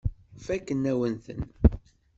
Fakken-awen-ten.